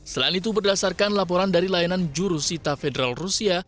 selain itu berdasarkan laporan dari layanan jurusita federal rusia